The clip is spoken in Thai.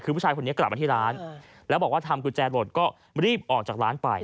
คือผู้ชายคนนี้กลับมาที่ร้านแล้วบอกว่าทำกุญแจหลดก็รีบออกจากร้านไป